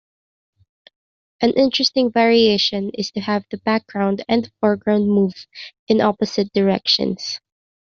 An interesting variation is to have the background and foreground move in "opposite" directions.